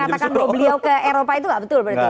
rumor yang mengatakan beliau ke eropa itu gak betul berarti